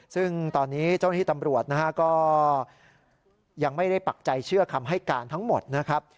ซึ่งตอนนี้เจ้าหน้าที่ตำรวจนะฮะก็ยังไม่ได้ปักใจเชื่อคำให้การทั้งหมดนะครับ